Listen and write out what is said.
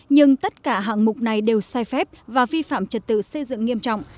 nhưng tất cả hạng mục này đều sai phép và vi phạm trật tự xây dựng nghiêm trọng